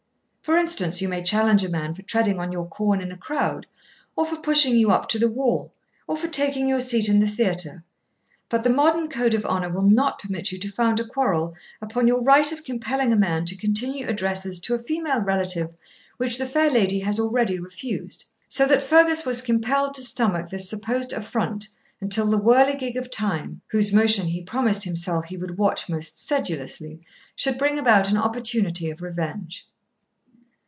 For instance, you may challenge a man for treading on your corn in a crowd, or for pushing you up to the wall, or for taking your seat in the theatre; but the modern code of honour will not permit you to found a quarrel upon your right of compelling a man to continue addresses to a female relative which the fair lady has already refused. So that Fergus was compelled to stomach this supposed affront until the whirligig of time, whose motion he promised himself he would watch most sedulously, should bring about an opportunity of revenge.